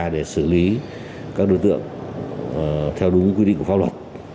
để xử lý các đối tượng theo đúng quy định của pháp luật